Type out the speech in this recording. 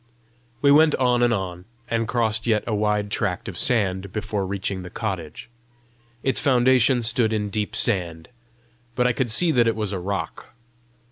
We went on and on, and crossed yet a wide tract of sand before reaching the cottage. Its foundation stood in deep sand, but I could see that it was a rock.